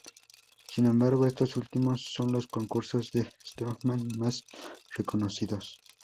Sin embargo, estos últimos son los concursos de strongman más reconocidos.